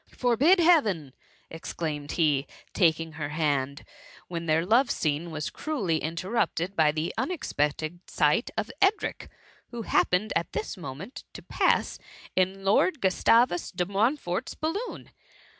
'*^" Forbtd) Heaven !" exclaimed he, taking her hand, when their love scene was cruelly interrupted by the unexpected sight of Edric, who happened at this moment to pass in Lord Gustavus de Montfort's balloon.